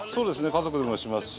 家族でもしますし。